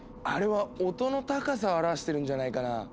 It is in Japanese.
あれは音の高さを表してるんじゃないかな？